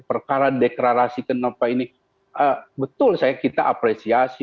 perkara deklarasi kenapa ini betul saya kita apresiasi